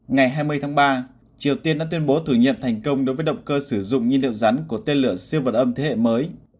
ngày hai mươi tháng ba triều tiên đã tuyên bố thử nghiệm thành công đối với động cơ sử dụng nhiên liệu rắn của tên lửa siêu vật âm thế hệ mới